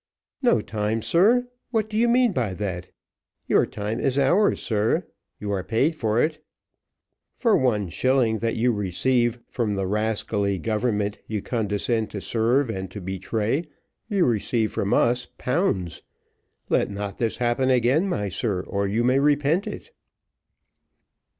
"No time, sir; what do you mean by that? Your time is ours, sir. You are paid for it; for one shilling that you receive from the rascally government you condescend to serve and to betray, you receive from us pounds. Let not this happen again, my sir, or you may repent it."